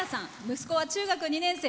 息子は中学２年生。